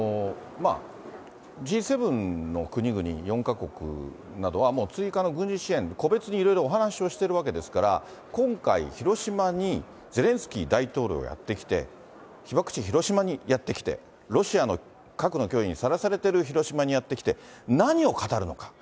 Ｇ７の国々４か国などは、もう追加の軍事支援、個別にいろいろお話をしてるわけですから、今回、広島にゼレンスキー大統領がやって来て、被爆地広島にやって来て、ロシアの核の脅威にさらされてる広島にやって来て、何を語るのか。